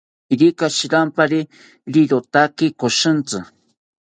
Irika shirampari rirotaki koshintzi